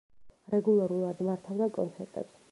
რეგულარულად მართავდა კონცერტებს.